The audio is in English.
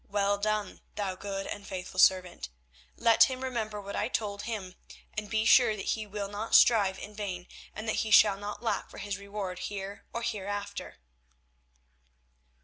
Well done, thou good and faithful servant! Let him remember what I told him, and be sure that he will not strive in vain, and that he shall not lack for his reward here or hereafter."